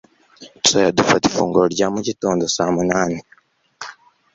Tuzajya dufata ifunguro rya mugitondo saa munani.